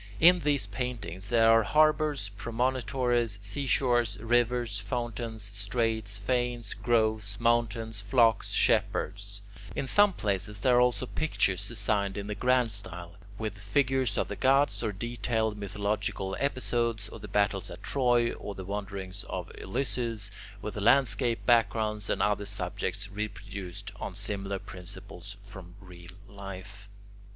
In these paintings there are harbours, promontories, seashores, rivers, fountains, straits, fanes, groves, mountains, flocks, shepherds; in some places there are also pictures designed in the grand style, with figures of the gods or detailed mythological episodes, or the battles at Troy, or the wanderings of Ulysses, with landscape backgrounds, and other subjects reproduced on similar principles from real life.